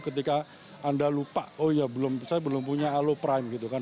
ketika anda lupa oh ya saya belum punya alo prime gitu kan